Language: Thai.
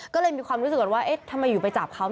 ก็เลยมีความรู้สึกว่าเอ๊ะทำไมอยู่ไปจับเขา